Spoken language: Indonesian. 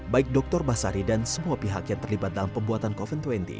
baik dr basari dan semua pihak yang terlibat dalam pembuatan covid sembilan belas